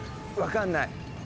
分かんない。